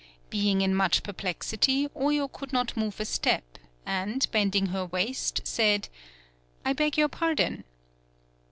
Being in much perplexity Oyo could not move a step, and bending her waist, said: "I beg your pardon."